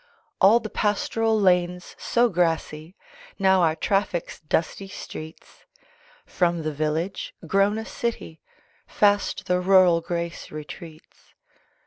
All the pastoral lanes so grassy Now are Traffic's dusty streets; From the village, grown a city, Fast the rural grace retreats.